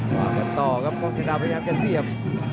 วางกันต่อครับคนกินท้าพยายามแค่เสียบ